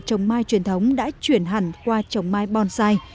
trồng mai truyền thống đã chuyển hẳn qua trồng mai bonsai